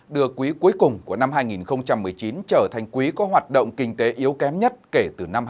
đưa quý cuối cùng của năm hai nghìn một mươi chín trở thành quý có hoạt động kinh tế yếu kém nhất kể từ năm hai nghìn một mươi